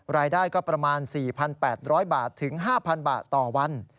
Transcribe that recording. รายได้ก็ประมาณ๔๘๐๐บาทถึง๕๐๐บาทต่อวัน